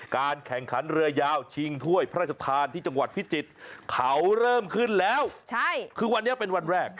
การแข่งขันเรือยาวชิงถ้วยพระราชทานที่จังหวัดพิจิตรเขาเริ่มขึ้นแล้วคือวันนี้เป็นวันแรก